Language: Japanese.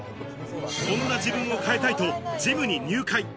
そんな自分を変えたいとジムに入会。